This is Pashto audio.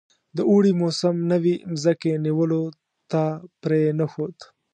د اوړي موسم نوي مځکې نیولو ته پرې نه ښود.